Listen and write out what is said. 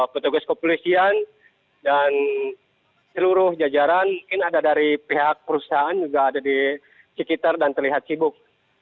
petugas kepolisian dan seluruh jajaran mungkin ada dari pihak perusahaan juga ada di sekitar dan terlihat sibuk